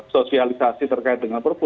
sosialisasi terkait dengan perpu